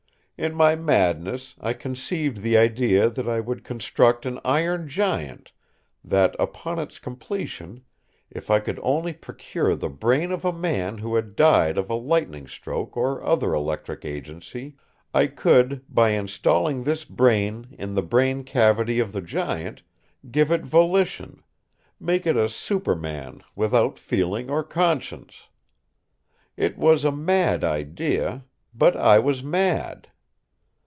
In my madness, I conceived the idea that I would construct an iron giant that, upon its completion, if I could only procure the brain of a man who had died of a lightning stroke or other electric agency, I could, by installing this brain in the brain cavity of the giant, give it volition, make it a superman without feeling or conscience. It was a mad idea but I was mad.